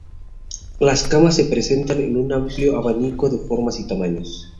Las camas se presentan en un amplio abanico de formas y tamaños.